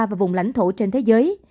và vùng lãnh thổ trên thế giới